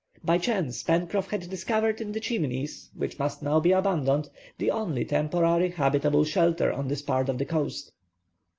By chance, Pencroff had discovered in the Chimneys, which must now be abandoned, the only temporary, habitable shelter on this part of the coast.